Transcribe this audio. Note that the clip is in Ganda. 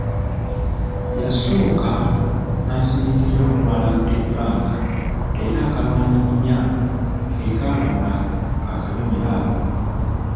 Yasooka n'asiriikirira okumala ebbanga, era akalwanyaminya ke kaalamula akanyomero ako.